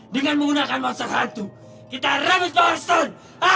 dengan menggunakan monster hantu kita rebus power stone